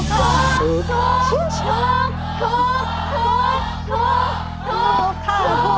ถูกถูกถูก